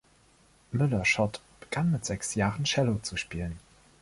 Müller-Schott begann mit sechs Jahren Cello zu spielen.